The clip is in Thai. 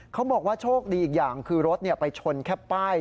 เขาบอกว่าโชคดีอีกอย่างคือรถไปชนแค่ป้าย